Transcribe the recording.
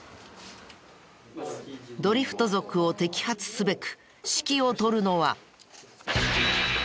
ドリフト族を摘発すべく指揮を執るのは。